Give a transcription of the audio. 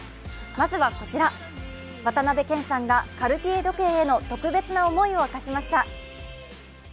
まずはこちら、渡辺謙さんがカルティエ時計への特別な思いを明かしました。